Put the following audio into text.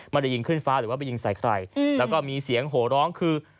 ไม่ได้ยิงขึ้นฟ้าหรือว่าไปยิงใส่ใครแล้วก็มีเสียงโหร้องคือ